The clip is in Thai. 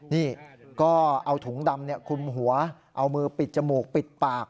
นี่ก็เอาถุงดำคุมหัวเอามือปิดจมูกปิดปาก